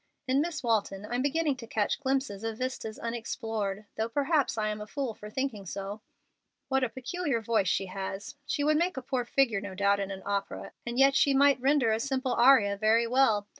In Miss Walton I'm beginning to catch glimpses of vistas unexplored, though perhaps I am a fool for thinking so. "What a peculiar voice she has! She would make a poor figure, no doubt, in an opera; and yet she might render a simple aria very well.